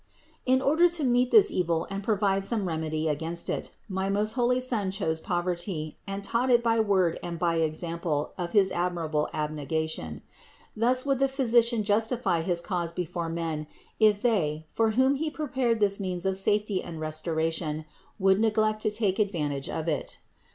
689. In order to meet this evil and provide some remedy against it, my most holy Son chose poverty, and taught it by word and by example of his admirable abne gation. Thus would the Physician justify his cause be fore men if they, for whom He prepared this means of safety and restoration, would neglect to take advantage of it.